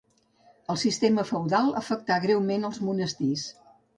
El sistema feudal afectà greument els monestirs.